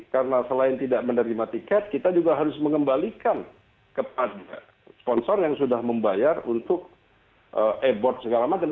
karena selain tidak menerima tiket kita juga harus mengembalikan kepada sponsor yang sudah membayar untuk e board segala macam